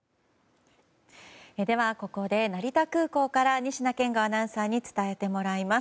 ではここで成田空港から仁科健吾アナウンサーに伝えてもらいます。